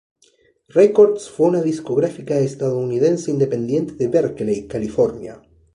Records fue una discográfica estadounidense independiente de Berkeley, California.